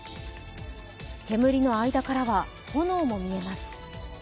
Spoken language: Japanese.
煙の間からは炎も見えます。